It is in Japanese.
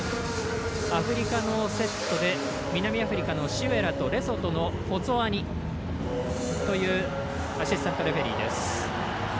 アフリカのセットで南アフリカのシウェラとレソトのフォッツォアニというアシスタントレフェリーです。